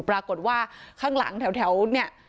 ปรากฏว่าข้างหลังแถวเนี่ย